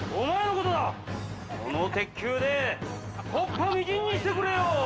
この鉄球で木っ端みじんにしてくれよう！